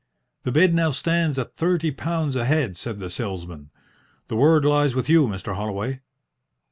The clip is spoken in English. "The bid now stands at thirty pounds a head," said the salesman. "The word lies with you, Mr. Holloway."